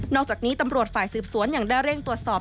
อกจากนี้ตำรวจฝ่ายสืบสวนยังได้เร่งตรวจสอบ